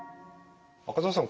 赤澤さん